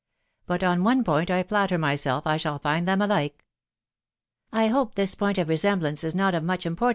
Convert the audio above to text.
But on one point I flatter myself I shall find them alike." " I hope this point of resemblance is not of much import.